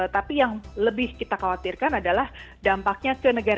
tapi yang lebih kita khawatirkan adalah dampaknya ke negara